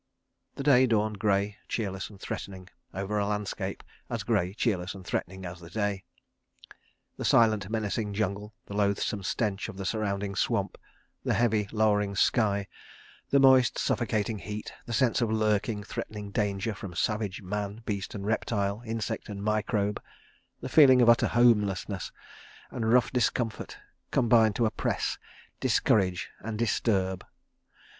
... The day dawned grey, cheerless and threatening over a landscape as grey, cheerless and threatening as the day. The silent, menacing jungle, the loathsome stench of the surrounding swamp, the heavy, louring sky, the moist, suffocating heat; the sense of lurking, threatening danger from savage man, beast and reptile, insect and microbe; the feeling of utter homelessness and rough discomfort, combined to oppress, discourage and disturb.